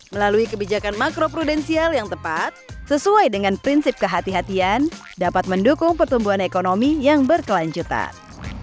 melalui kebijakan makro prudensial yang tepat sesuai dengan prinsip kehatian dapat mendukung pertumbuhan ekonomi yang berkelanjutan